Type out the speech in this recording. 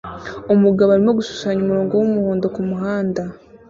Umugabo arimo gushushanya umurongo w'umuhondo kumuhanda